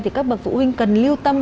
thì các bậc phụ huynh cần lưu tâm